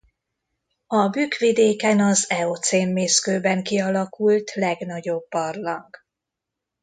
A Bükk-vidéken az eocén mészkőben kialakult legnagyobb barlang.